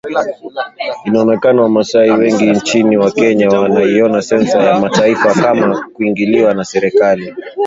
Inaonekana wamasai wengi nchini Kenya wanaiona sensa ya taifa kama ni kuingiliwa na serikali